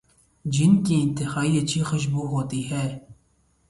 جن کی انتہائی اچھی خوشبو ہوتی ہے